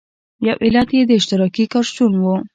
یو علت یې د اشتراکي کار شتون و.